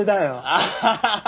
アッハハハ。